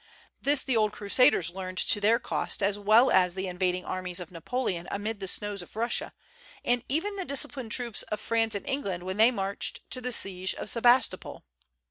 This the old crusaders learned to their cost, as well as the invading armies of Napoleon amid the snows of Russia, and even the disciplined troops of France and England when they marched to the siege of Sebastopol.